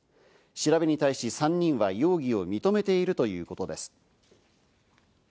調べに対し、３人は容疑を認めているということです。